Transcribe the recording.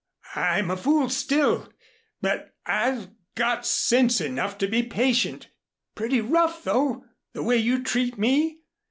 I'm a fool still, but I've got sense enough to be patient. Pretty rough, though, the way you treat me.